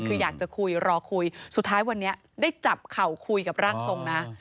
คืออยากจะคุยรอคุยสุดท้ายวันนี้ได้จับเข่าคุยกับร่างทรงนะ